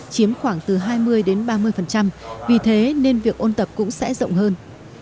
chiếm khoảng từ hai mươi đến ba mươi vì thế nên việc ôn tập cũng sẽ rộng hơn